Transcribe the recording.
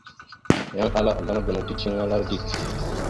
Yan ala azlam gənaw ticeliŋalara dik.